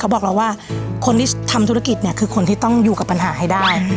บอกเราว่าคนที่ทำธุรกิจเนี่ยคือคนที่ต้องอยู่กับปัญหาให้ได้